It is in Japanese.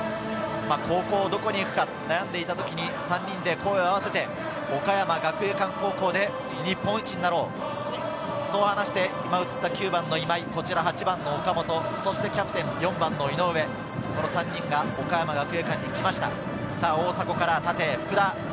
高校をどこに行くか悩んでいた時に３人で声を合わせて、岡山学芸館高校で日本一になろう、そう話して、９番の今井、８番・岡本、キャプテン４番・井上、この３人が岡山学芸館に行きました。